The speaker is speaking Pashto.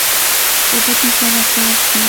اوبه د ژوند اساس دي.